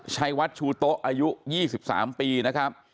ชัยวัดชูโต๊ะอายุ๒๓ปีนะครับ